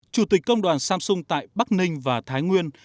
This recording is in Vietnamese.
chủ tịch công đoàn samsung tại bắc ninh và thái nguyên